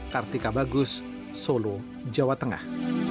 kartika bagus solo jawa tengah